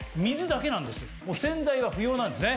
洗剤は不要なんですね。